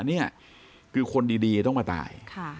นี่คือคนดีต้องมาตาย